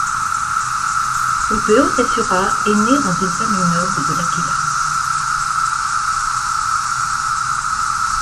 Pompeo Cesura est né dans une famille noble de L'Aquila.